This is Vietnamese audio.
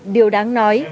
điều đáng nói